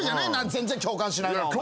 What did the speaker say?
全然共感しないなお前。